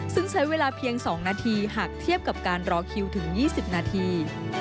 ซึ่งใช้เวลาเพียง๒นาทีหากเทียบกับการรอคิวถึง๒๐นาที